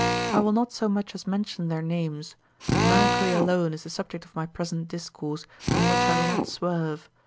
I will not so much as mention their names, melancholy alone is the subject of my present discourse, from which I will not swerve.